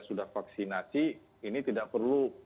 sudah vaksinasi ini tidak perlu